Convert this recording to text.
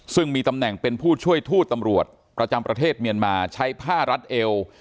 ซึ่งมีตำแหน่งเป็นผู้ช่วยทูตตำรวจประจำประเทศเมียนมาใช้ผ้ารัดเอว